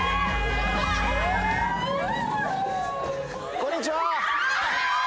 こんにちは。